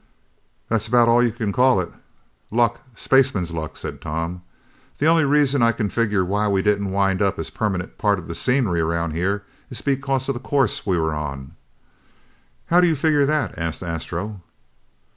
"That's about all you can call it. Luck! Spaceman's luck!" said Tom. "The only reason I can figure why we didn't wind up as permanent part of the scenery around here is because of the course we were on." "How do you figure that?" asked Astro.